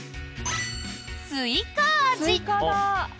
スイカ味。